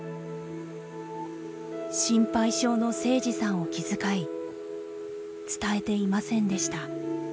心配性の誠司さんを気遣い伝えていませんでした。